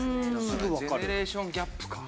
ジェネレーションギャップか。